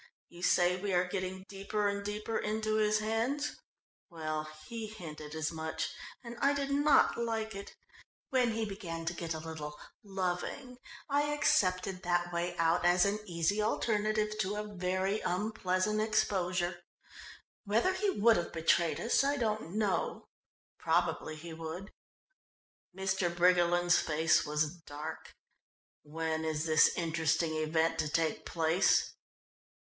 "You say we are getting deeper and deeper into his hands? Well, he hinted as much, and I did not like it. When he began to get a little loving I accepted that way out as an easy alternative to a very unpleasant exposure. Whether he would have betrayed us I don't know; probably he would." Mr. Briggerland's face was dark. "When is this interesting event to take place?"